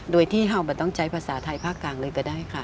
โดยที่เราต้องใช้ภาษาไทยภาคกลางเลยก็ได้ค่ะ